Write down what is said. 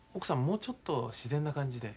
もうちょっと自然な感じで。